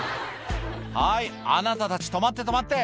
はーい、あなたたち止まって、止まって。